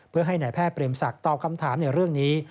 เพื่อให้นายแพทย์เปรมศักดิ์ตอบคำถามในเรื่องนี้